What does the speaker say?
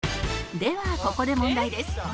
「ではここで問題です」